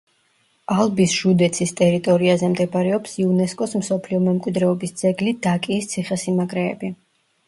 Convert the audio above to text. ალბის ჟუდეცის ტერიტორიაზე მდებარეობს იუნესკოს მსოფლიო მემკვიდრეობის ძეგლი დაკიის ციხესიმაგრეები.